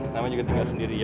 nama juga tinggal sendirian ya